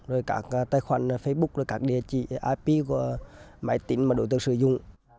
rồi các tài khoản facebook rồi các địa chỉ ip của máy tính mà đối tượng sử dụng